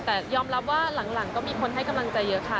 แต่ยอมรับว่าหลังก็มีคนให้กำลังใจเยอะค่ะ